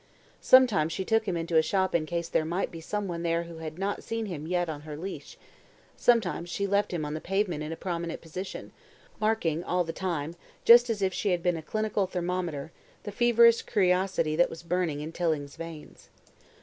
Sometimes she took him into a shop in case there might be someone there who had not seen him yet on her leash; sometimes she left him on the pavement in a prominent position, marking, all the time, just as if she had been a clinical thermometer, the feverish curiosity that was burning in Tilling's veins.